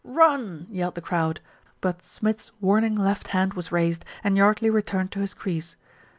"Run!" yelled the crowd; but Smith's warning left hand was raised, and Yardley returned to his crease.